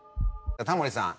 タモリさん